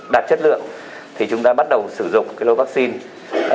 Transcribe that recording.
đạt chất lượng thì chúng ta bắt đầu sử dụng cái lô vaccine